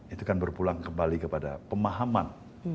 itu kan berpulang kembali kepada pemahaman